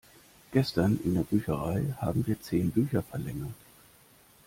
Gestern in der Bücherei haben wir zehn Bücher verlängert.